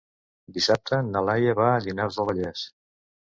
Dissabte na Laia va a Llinars del Vallès.